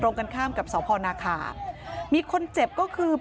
ตอนนี้ก็ไม่มีอัศวินทรีย์ที่สุดขึ้นแต่ก็ไม่มีอัศวินทรีย์ที่สุดขึ้น